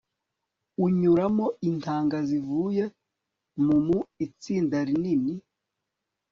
unyuramo intanga zivuye mumu itsinda rinini